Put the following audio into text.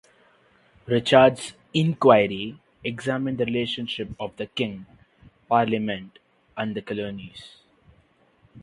Richard's "Inquiry" examined the relationship of the king, parliament, and the colonies.